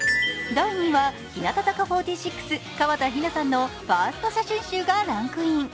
第２位は日向坂４６の河田陽菜さんのファースト写真集がランクイン。